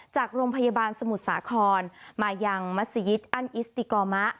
จากโรงพยาบาลสมุทรสาครมายังมัศยิตอันอิสติกอมะ